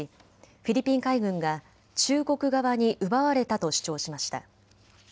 フィリピン海軍が中国側に奪われたと主張しました。